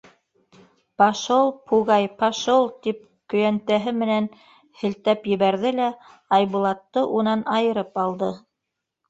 — Пошел, Пугай, пошел! — тип көйәнтәһе менән һелтәп ебәрҙе лә Айбулатты унан айырып алды.